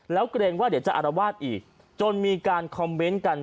แล้วเกรงว่าเดี๋ยวจะอารวาสอีกจนมีการคอมเมนต์กัน